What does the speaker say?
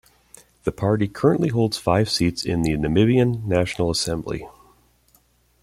The party currently holds five seats in the Namibian National Assembly.